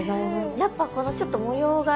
やっぱこのちょっと模様がいいですね